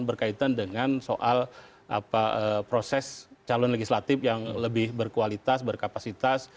berkaitan dengan soal proses calon legislatif yang lebih berkualitas berkapasitas